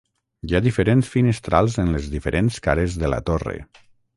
Hi ha diferents finestrals en les diferents cares de la torre.